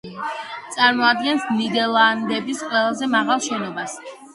წარმოადგენს ნიდერლანდების ყველაზე მაღალ შენობას.